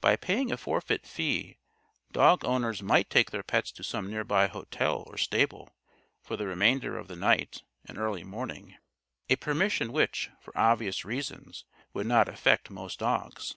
By paying a forfeit fee, dog owners might take their pets to some nearby hotel or stable, for the remainder of the night and early morning a permission which, for obvious reasons, would not affect most dogs.